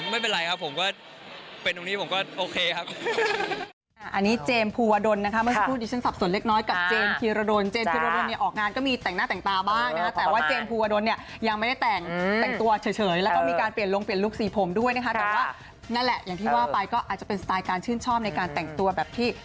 ไม่เป็นไรครับผมก็เป็นตรงนี้ผมก็โอเคครับ